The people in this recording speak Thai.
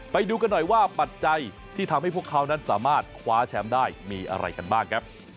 ไปดูกันหน่อยว่าปัจจัยที่ทำให้พวกเขานั้นสามารถคว้าแชมป์ได้มีอะไรกันบ้างครับ